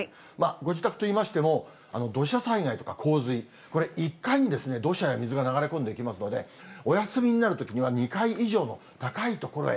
ご自宅といいましても、土砂災害とか洪水、これ、１階に土砂や水が流れ込んできますので、お休みになるときには２階以上の高い所へ。